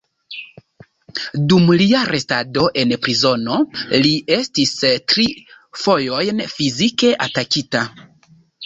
Dum lia restado en prizono li estis tri fojojn fizike atakita.